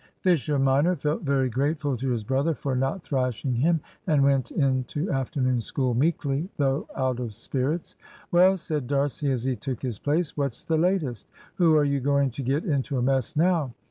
Fisher minor felt very grateful to his brother for not thrashing him, and went in to afternoon school meekly, though out of spirits. "Well," said D'Arcy, as he took his place, "what's the latest? Who are you going to get into a mess now!